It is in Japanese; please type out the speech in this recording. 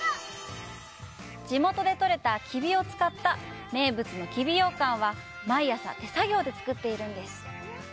地元で取れたきびを使った名物のきびようかんは、毎朝、手作業で作っているんです。